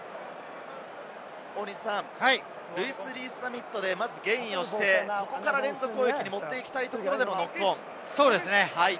ルイス・リース＝ザミットでゲインして、連続攻撃に持っていきたいところでのノックオン。